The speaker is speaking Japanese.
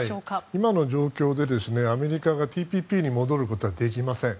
今の状況でアメリカがＴＰＰに戻ることはできません。